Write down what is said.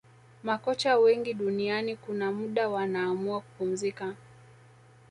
makocha wengi duniani kuna muda wanaamua kupumzika